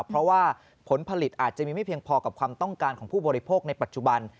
เพราะว่าผลผลิตอาจจะมีไม่เพียงพอกับความต้องการของผู้บริโภคในปัจจุบัน